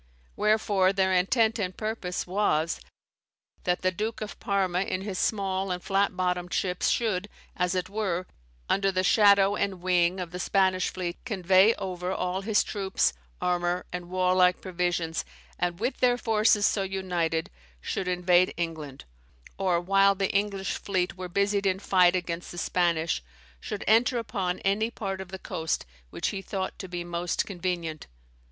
Wherefore their intent and purpose was, that the Duke of Parma, in his small and flat bottomed ships should, as it were, under the shadow and wing of the Spanish fleet, convey over all his troupes, armour, and warlike provisions, and with their forces so united, should invade England; or, while the English fleet were busied in fight against the Spanish, should enter upon any part of the coast which he thought to be most convenient.